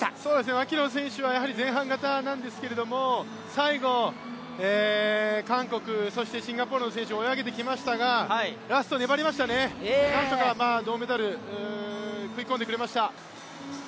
牧野選手はやはり前半型なんですけど最後、韓国、そしてシンガポールの選手、追い上げてきましたがラスト粘りましたね、何とか銅メダル食い込んでくれました。